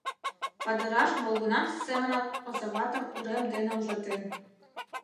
Падыраш молгунамсе семынак озаватым урем дене ужатен.